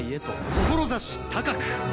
志高く！